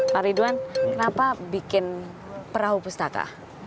pak ridwan kenapa bikin perahu pustaka